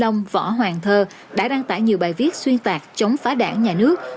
các cá nhân minh long võ hoàng thơ đã đăng tải nhiều bài viết xuyên tạc chống phá đảng nhà nước